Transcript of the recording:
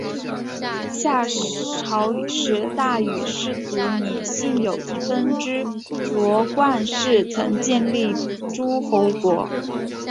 夏朝时大禹的氏族姒姓有一分支斟灌氏曾建立诸侯国。